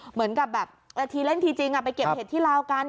เหมือนกับแบบทีเล่นทีจริงไปเก็บเห็ดที่ลาวกัน